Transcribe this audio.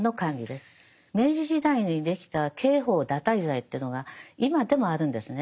明治時代にできた刑法堕胎罪っていうのが今でもあるんですね。